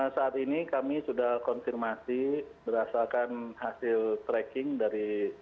saat ini kami sudah konfirmasi berdasarkan hasil tracking dari